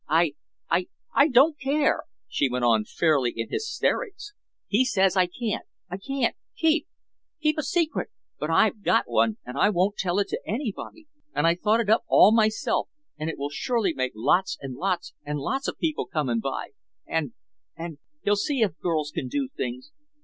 I—I—I—don't care," she went on fairly in hysterics, "he says I can't—I can't—keep—keep—a secret—but I've got one and I won't tell it to anybody and I thought it up all myself and it will surely make lots and lots and lots of people come and buy—and—and he'll see if girls can do things."